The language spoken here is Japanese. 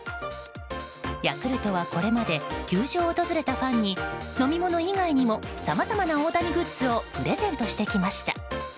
ヤクルトは、これまで球場を訪れたファンに飲み物以外にもさまざまな大谷グッズをプレゼントしてきました。